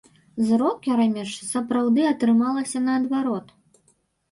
З рокерамі ж сапраўды атрымалася наадварот.